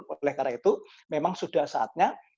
oleh karena itu memang sudah saatnya